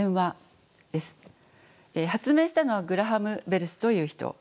発明したのはグラハム・ベルという人。